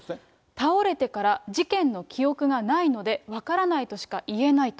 倒れてから事件の記憶がないので、分からないとしか言えないと。